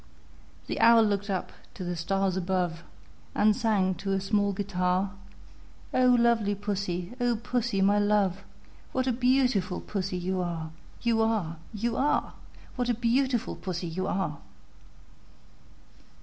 The Owl looked up to the stars above, And sang to a small guitar, "O lovely Pussy, O Pussy, my love, What a beautiful Pussy you are, You are, You are! What a beautiful Pussy you are!"